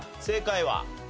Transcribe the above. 正解は？